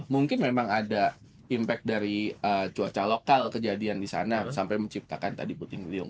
mungkin memang ada impact dari cuaca lokal kejadian di sana sampai menciptakan tadi puting beliung